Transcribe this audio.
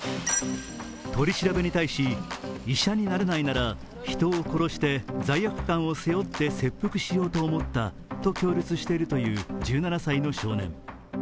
取り調べに対し、医者になれないなら人を殺して罪悪感を背負って切腹しようと思ったと供述しているという１７歳の少年。